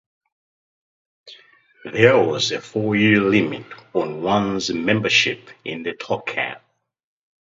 There was a four-year limit on one's membership in the kollel.